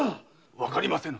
わかりませぬ。